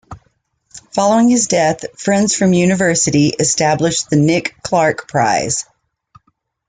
Following his death, friends from university established the 'Nick Clarke Prize'.